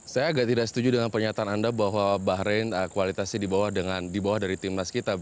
saya agak tidak setuju dengan pernyataan anda bahwa bahrain kualitasnya di bawah dari timnas kita